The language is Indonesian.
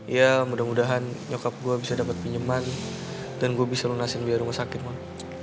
iya mudah mudahan nyokap gue bisa dapet pinjeman dan gue bisa lunasin biaya rumah sakit mon